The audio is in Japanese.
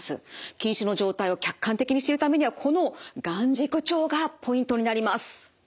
近視の状態を客観的に知るためにはこの眼軸長がポイントになります。